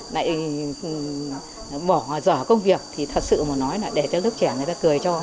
lại bỏ giỏ công việc thì thật sự mà nói là để cho lớp trẻ người ta cười cho